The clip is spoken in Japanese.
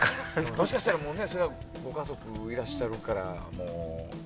もしかしたらご家族がいらっしゃるから。